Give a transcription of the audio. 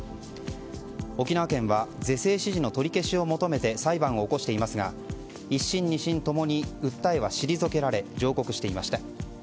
沖縄県は是正指示の取り消しを求めて裁判を起こしていますが１審、２審共に訴えは退けられ上告していました。